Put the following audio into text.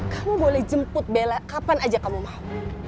kamu boleh jemput bella kapan aja kamu mau